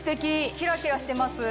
キラキラしてます。